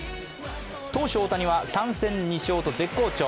投手・大谷は３戦２勝と絶好調。